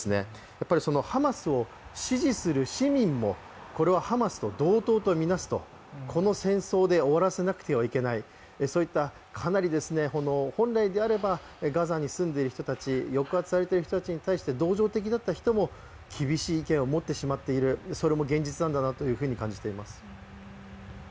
やっぱりハマスを支持する市民もこれはハマスと同等と見なすと、この戦争で終わらせなくてはならないそういった、かなり本来であればガザに住んでいる人たち、抑圧されている人たちに対して同情的だった人も厳しい意見を持っている、それも現実なんだなというふうに感じています